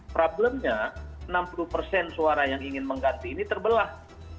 problemnya enam puluh persen suara yang ingin mengganti ini terbelah